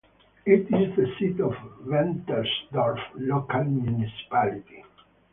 It is the seat of Ventersdorp Local Municipality.